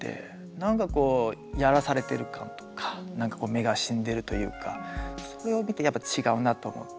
なんかこうやらされてる感とかなんかこう目が死んでるというかそれを見てやっぱ違うなと思って。